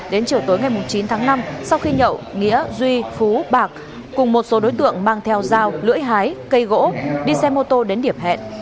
đến chiều tối ngày chín tháng năm sau khi nhậu nghĩa duy phú bạc cùng một số đối tượng mang theo dao lưỡi hái cây gỗ đi xe mô tô đến điểm hẹn